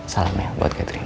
salam ya buat catherine